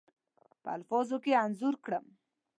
په الفاظو کې انځور کړم.